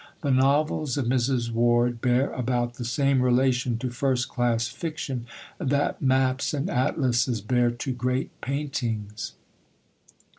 The novels of Mrs. Ward bear about the same relation to first class fiction that maps and atlases bear to great paintings.